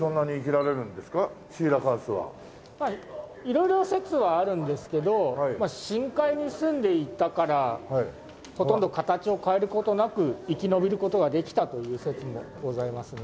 色々説はあるんですけど深海にすんでいたからほとんど形を変える事なく生き延びる事ができたという説もございますね。